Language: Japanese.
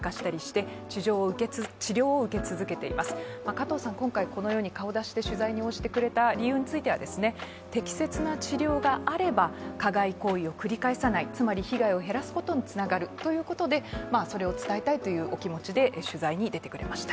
加藤さん、今回、このように顔出しで取材に応じてくれた理由について適切な治療があれば、加害行為を繰り返さない、つまり被害を減らすことにつながるということで、それを伝えたいというお気持ちで取材に出てくれました。